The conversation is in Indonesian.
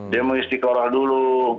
dia mengistiqoroh dulu